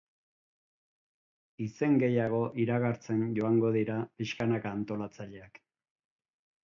Izen gehiago iragartzen joango dira pixkanaka antolatzaileak.